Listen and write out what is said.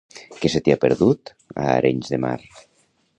Què se t'hi ha perdut, a Arenys de Mar?